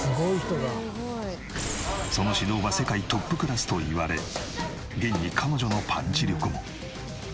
その指導は世界トップクラスといわれ現に彼女のパンチ力も。